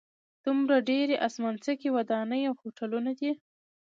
دومره ډېرې اسمانڅکي ودانۍ او هوټلونه دي.